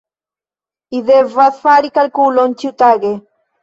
Li devas fari kalkulon ĉiutage.